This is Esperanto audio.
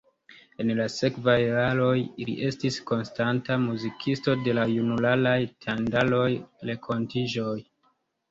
En la sekvaj jaroj li estis konstanta muzikisto de la junularaj tendaroj, renkontiĝoj.